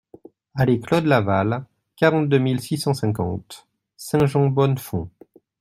Allée Claude Laval, quarante-deux mille six cent cinquante Saint-Jean-Bonnefonds